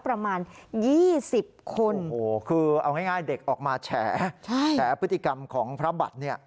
ประมาณ๒๐คนโอ้โหคือเอาง่ายเด็กออกมาแฉพฤติกรรมของพระบัตรเนี่ย